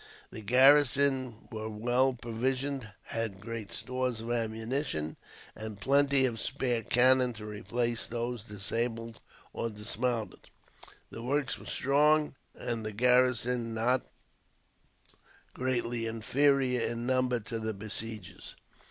The garrison were well provisioned, had great stores of ammunition, and plenty of spare cannon to replace those disabled or dismounted. The works were strong, and the garrison not greatly inferior in number to the besiegers.